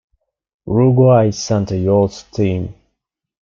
Uruguay sent a youth team.